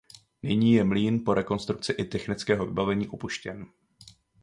Nyní je mlýn po rekonstrukci i technického vybavení opuštěn.